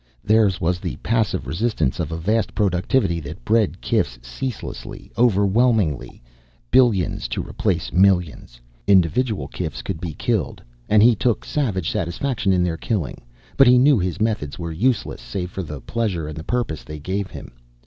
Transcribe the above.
Theirs was the passive resistance of a vast productivity that bred kifs ceaselessly, overwhelmingly, billions to replace millions. Individual kifs could be killed, and he took savage satisfaction in their killing, but he knew his methods were useless save for the pleasure and the purpose they gave him.